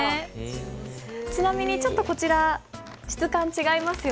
ちなみにちょっとこちら質感違いますよね？